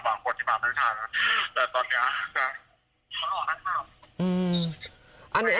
บางคนที่บางทางแต่ตอนนี้เขาหรอกนะครับ